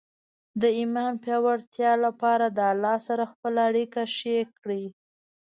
د ایمان پیاوړتیا لپاره د الله سره خپل اړیکه ښې کړئ.